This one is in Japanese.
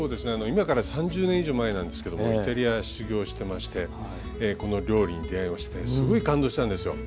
今から３０年以上前なんですけどもイタリア修業してましてこの料理に出会いましてすごい感動したんですよ。